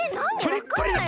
プリップリ！